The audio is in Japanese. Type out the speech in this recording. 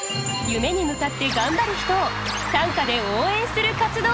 夢に向かって頑張る人を短歌で応援する活動。